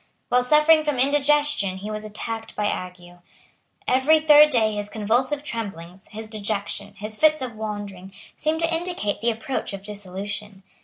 While suffering from indigestion he was attacked by ague. Every third day his convulsive tremblings, his dejection, his fits of wandering, seemed to indicate the approach of dissolution.